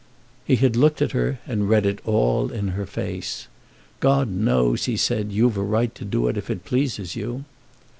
He had looked at her, and read it all in her face. "God knows," he said, "you've a right to do it if it pleases you."